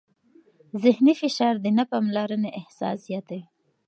ذهني فشار د نه پاملرنې احساس زیاتوي.